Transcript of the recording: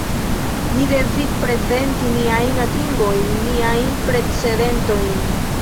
Ni devis prezenti niajn atingojn, niajn precedentojn.